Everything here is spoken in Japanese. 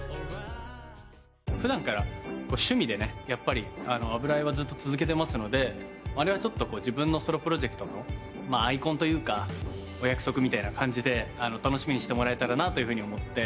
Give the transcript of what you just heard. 普段から趣味で油絵はずっと続けてますのであれは自分のソロプロジェクトのアイコンというかお約束みたいな感じで楽しみにしてもらえたらなと思って。